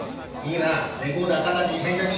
レコーダー直ちに返却しろ。